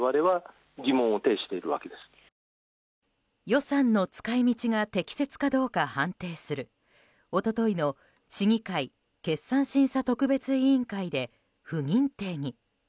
予算の使い道が適切かどうか判定する一昨日の市議会決算審査特別委員会で不認定に。